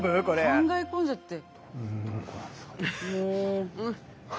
考え込んじゃって。